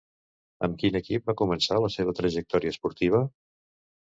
Amb quin equip va començar la seva trajectòria esportiva?